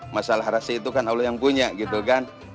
masalah harasi itu kan allah yang punya gitu kan